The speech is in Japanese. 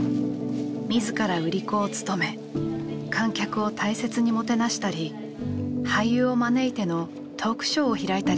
自ら売り子を務め観客を大切にもてなしたり俳優を招いてのトークショーを開いたりしました。